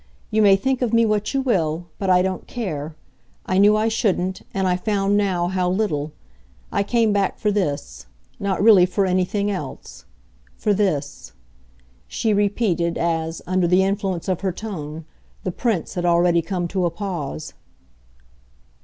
You may think of me what you will, but I don't care. I knew I shouldn't and I find now how little. I came back for this. Not really for anything else. For this," she repeated as, under the influence of her tone, the Prince had already come to a pause.